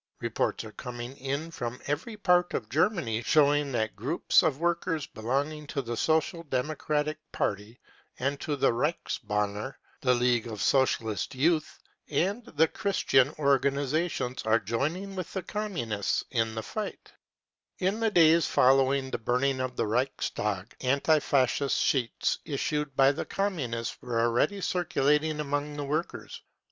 Reports are coming in from every part of Germany showing that groups of workers belonging to the Social Democratic Party and to the Reichsbanner, the League of Socialist Youth and the Christian organisations are "joining with the Communists in this fight/ In the days following the burning of the Reichstag, anti Fascist sheets issued by the Communists were already cir culating among the workers.